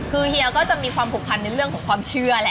คือเฮียก็จะมีความผูกพันในเรื่องของความเชื่อแหละ